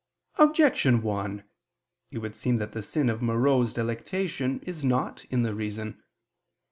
Objection 1: It would seem that the sin of morose delectation is not in the reason.